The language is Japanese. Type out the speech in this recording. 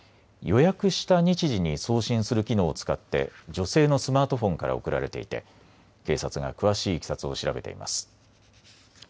予約した日時に送信する機能を使って女性のスマートフォンから送られていて警察が詳しいいきさつを調べています。